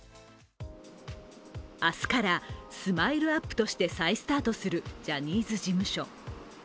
明日からＳＭＩＬＥ−ＵＰ．として再スタートするジャニーズ事務所。